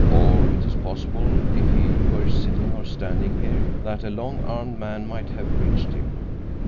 Or it is possible, if he were sitting or standing here, that a long armed man might have reached him.